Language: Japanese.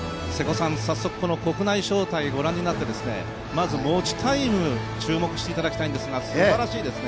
早速この国内招待、ご覧になってご覧になって、まず持ちタイム注目していただきたいんですがすばらしいですね。